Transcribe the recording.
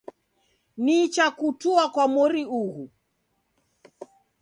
Nicha kutua kwa mori ughu